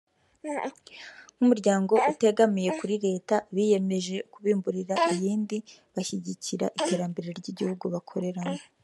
nk’umuryango utegamiye kuri Leta biyemeje kubimburira iyindi bashyigikira iterambere ry’Igihugu bakoreramo